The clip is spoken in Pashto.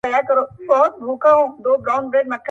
ته لېونۍ خو نه یې؟.!